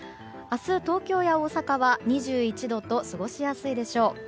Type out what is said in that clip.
明日、東京や大阪は２１度と過ごしやすいでしょう。